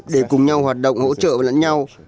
để cùng nhau hoạt động hỗ trợ lẫn nhau